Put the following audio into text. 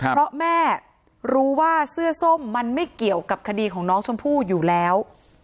เพราะแม่รู้ว่าเสื้อส้มมันไม่เกี่ยวกับคดีของน้องชมพู่อยู่แล้ว